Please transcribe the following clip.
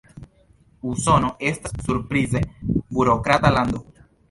Usono estas surprize burokrata lando.